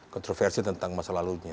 kontroversi tentang masa lalunya